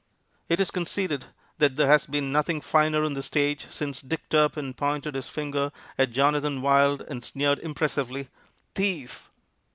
It is conceded that there has been nothing finer on the stage since Dick Turpin pointed his finger at Jonnathan Wild and sneered, impressively, "Thief!"